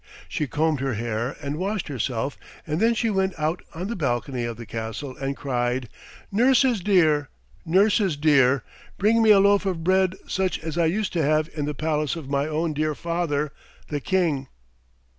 She combed her hair and washed herself and then she went out on the balcony of the castle and cried, "Nurses dear, nurses dear, bring me a loaf of bread such as I used to have in the palace of my own dear father, the King."